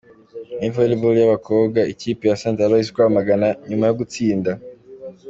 Muri Volleyball y’abakobwa, ikipe ya Ste Aloys Rwamagana, nyuma yo gutsinda G.